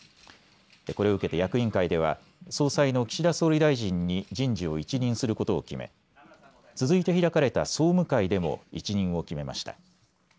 これを受けて役員会では総裁の岸田総理大臣に人事を一任することを決め続いて開かれた総務会でも一任を決めました。